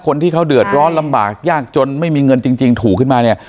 คนที่เขาเดือดร้อนลำบากยากจนไม่มีเงินจริงถูกขึ้นมาเนี่ย